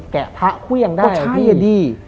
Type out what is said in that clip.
แกะพระเครื่องได้